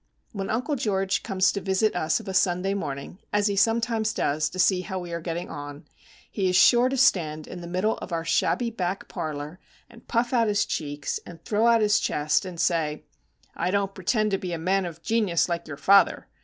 When Uncle George comes to visit us of a Sunday morning, as he sometimes does to see how we are getting on, he is sure to stand in the middle of our shabby back parlour, and puff out his cheeks, and throw out his chest and say,— "I don't pretend to be a man of genius like your father.